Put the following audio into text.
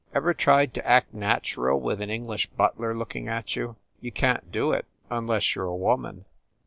Ever tried to act natural with an English butler looking at you? You can t do it, unless you re a woman.